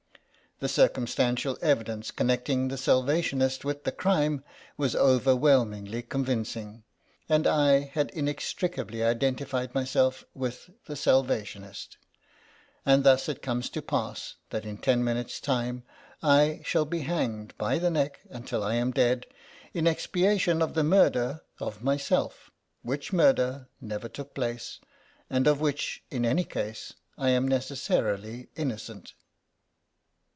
The circumstantial evidence connecting the Salvationist with the crime was overwhelmingly convincing, and I had inextricably identified myself with the Salvationist. And thus it comes to pass that in ten minutes' time I shall be hanged by the neck until I am dead in expiation of the murder of myself, which murder never 24 THE LOST SANJAK took place, and of which, in any case, I am necessarily innocent."